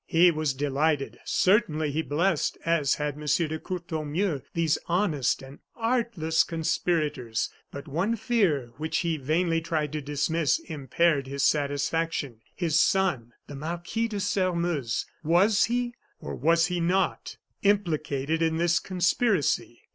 He was delighted; certainly he blessed as had M. de Courtornieu these honest and artless conspirators; but one fear, which he vainly tried to dismiss, impaired his satisfaction. His son, the Marquis de Sairmeuse, was he, or was he not, implicated in this conspiracy?